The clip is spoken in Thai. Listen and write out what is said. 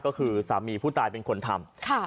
ก็คือสามีผู้ตายเป็นคนทำ